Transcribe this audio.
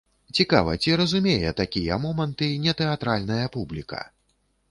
Цікава, ці зразумее такія моманты нетэатральная публіка?